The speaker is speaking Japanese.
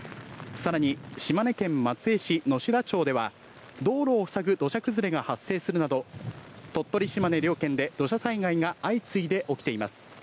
さらに島根県松江市乃白町では道路を塞ぐ土砂崩れが発生するなど、鳥取、島根両県で土砂災害が相次いで起きています。